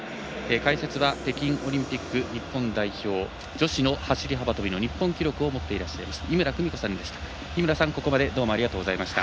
解説は北京オリンピック日本代表女子の走り幅跳びの日本記録を持っていらっしゃいます井村久美子さんでした。